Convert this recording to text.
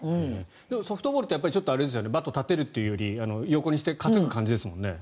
ソフトボールってバットを立てるというより横にして担ぐ感じですもんね？